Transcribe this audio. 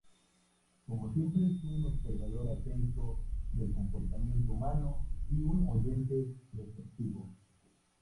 Como siempre es un observador atento del comportamiento humano y un oyente receptivo.